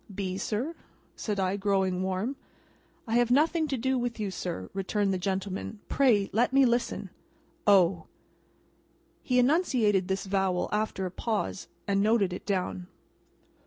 —B." "B, sir?" said I, growing warm. "I have nothing to do with you, sir," returned the gentleman; "pray let me listen—O." He enunciated this vowel after a pause, and noted it down.